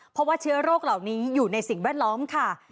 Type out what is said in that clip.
เพราะว่าเชื้อโรคเหล่านี้อยู่ในสิ่งแวดล้อมค่ะ